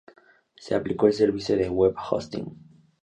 Se aplicó el servicio de web hosting.